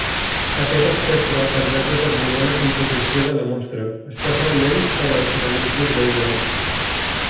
Aquest espectre permet determinar la composició de la mostra, especialment per als elements més lleugers.